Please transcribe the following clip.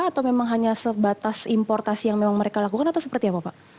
atau memang hanya sebatas importasi yang memang mereka lakukan atau seperti apa pak